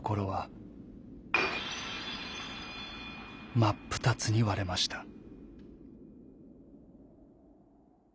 はまっぷたつにわれました。